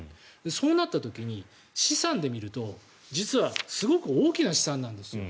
そうなった時に資産で見ると実はすごく大きな資産なんです。